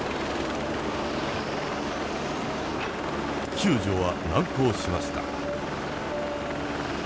救助は難航しました。